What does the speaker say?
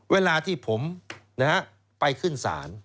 เวลาที่ผมไปขึ้นศาล